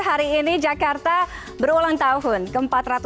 hari ini jakarta berulang tahun ke empat ratus empat puluh